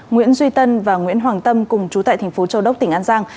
nguyễn duy tân và nguyễn hoàng tâm cùng chú tại tp châu đốc tỉnh an giang